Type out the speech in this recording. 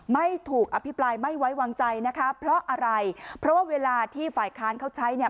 ไม่ถูกอภิปรายไม่ไว้วางใจนะคะเพราะอะไรเพราะว่าเวลาที่ฝ่ายค้านเขาใช้เนี่ย